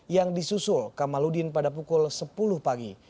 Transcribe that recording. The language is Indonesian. yang disusul kamaludin pada pukul sepuluh pagi